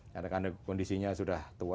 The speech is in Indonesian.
karena kondisinya sudah tua